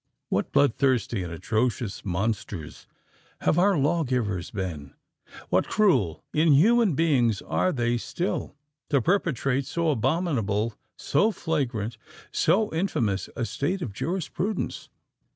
What blood thirsty and atrocious monsters have our law givers been: what cruel, inhuman beings are they still, to perpetuate so abominable—so flagrant—so infamous a state of jurisprudence!